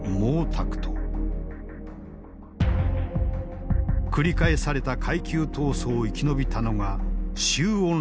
繰り返された階級闘争を生き延びたのが周恩来だった。